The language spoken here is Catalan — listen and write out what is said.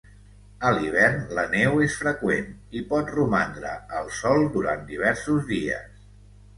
A l'hivern, la neu és freqüent i pot romandre al sòl durant diversos dies.